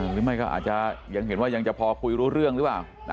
หรือไม่ก็อาจจะยังเห็นว่ายังจะพอคุยรู้เรื่องหรือเปล่า